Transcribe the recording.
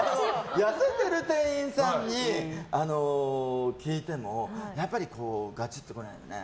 痩せてる店員さんに聞いてもやっぱり、ガチッとこないのね。